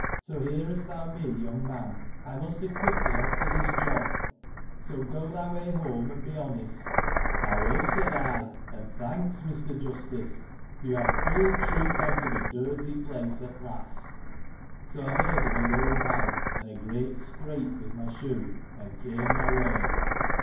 So, hearest thou me, young man, I must acquit thee, as to this job : so, go thy way home, and be honest. I will, said I, and thanks, Mr. Justice : for you have pulled truth out of a dirty place at last. So, I made him a low bow, and a great scrape with my shoe, and came my way.